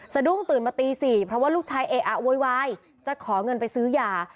สะดุ้งตื่นมาตี๔เพราะว่าลูกชายเออะโวยวายจะขอเงินไปซื้อยา